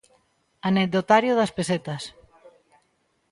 Anecdotario das pesetas